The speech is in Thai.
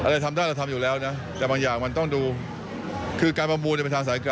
เหมือนกันได้